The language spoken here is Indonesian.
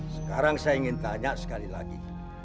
sekarang saya ingin tanya sekali lagi